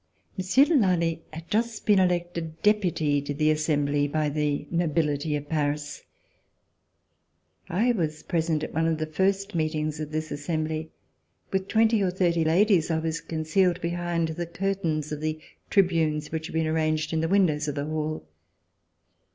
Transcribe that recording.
Monsieur de Lally had just been elected Deputy to the Assembly by the nobility of Paris. I was present at one of the first meetings of this Assembly. With twenty or thirty ladies I was concealed behind the curtains of the tribunes which had been arranged In the windows of the hall.